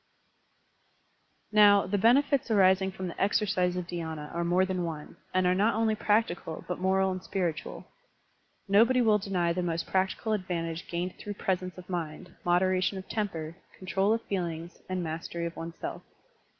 Now, the benefits* arising from the exercise of dhySna are more than one, and are not only practical but moral and spiritual. Nobody will deny the most practical advantage gained through presence of mind, moderation of temper, control of feelings, and mastery of oneself.